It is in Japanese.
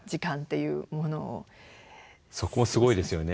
そこすごいですよね。